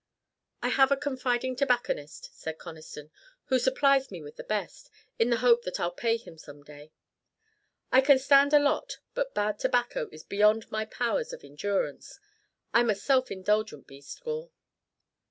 "I have a confiding tobacconist," said Conniston, "who supplies me with the best, in the hope that I'll pay him some day. I can stand a lot, but bad tobacco is beyond my powers of endurance. I'm a self indulgent beast, Gore!"